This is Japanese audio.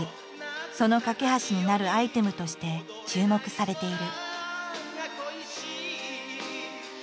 その懸け橋になるアイテムとして注目されている。